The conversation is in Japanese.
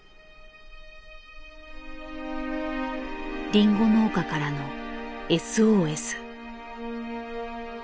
リンゴ農家からのＳＯＳ。